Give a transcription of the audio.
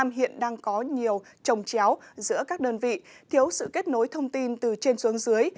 việt nam hiện đang có nhiều trồng chéo giữa các đơn vị thiếu sự kết nối thông tin từ trên xuống dưới